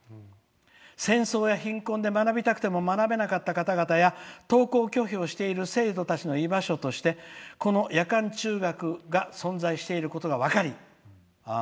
戦争や貧困で学びたくても学べなかった方々や登校拒否をしている生徒の居場所としてこの夜間中学が存在していることが分かり」。